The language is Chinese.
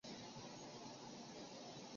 季羡林请胡适斧正。